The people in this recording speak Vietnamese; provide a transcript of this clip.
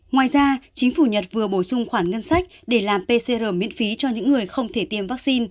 ngoài ra chính phủ nhật vừa bổ sung khoản ngân sách để làm pcr miễn phí cho những người không thể tiêm vaccine